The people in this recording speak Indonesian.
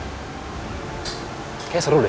kayaknya seru deh